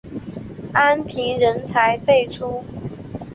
安平人才辈出。